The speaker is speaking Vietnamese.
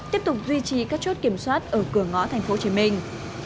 tiếp tục duy trì các chốt kiểm soát ở cửa ngõ thành phố hồ chí minh